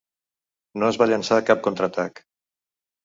No es va llençar cap contraatac.